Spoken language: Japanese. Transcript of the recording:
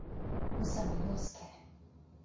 宇佐美洋介。